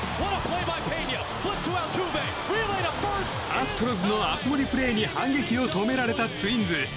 アストロズの熱盛プレーに反撃を止められたツインズ。